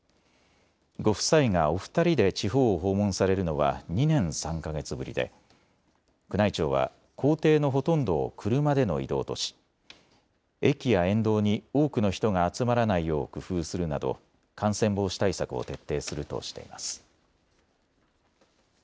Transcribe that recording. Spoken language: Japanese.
ご夫妻がお二人で地方を訪問されるのは２年３か月ぶりで宮内庁は行程のほとんどを車での移動とし駅や沿道に多くの人が集まらないよう工夫するなど感染防止対策を徹底するとしています。